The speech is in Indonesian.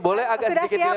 boleh agak sedikit dilepaskan